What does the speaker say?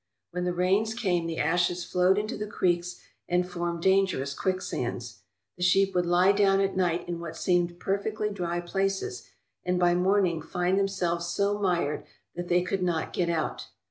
When the rains came the ashes flowed into the creeks and formed dangerous quicksands. The sheep would lie down at night in what seemed per fectly dry places and by morning find themselves so mired that they could not get out.